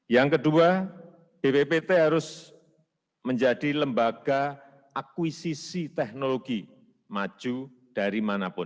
yang kedua bppt harus menjadi lembaga akuisisi teknologi maju dari manapun